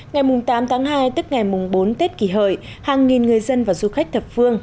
ngày tám tháng hai tức ngày bốn tết kỷ hợi hàng nghìn người dân và du khách thập phương